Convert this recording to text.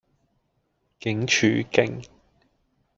警署徑